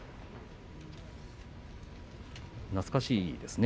懐かしいですね。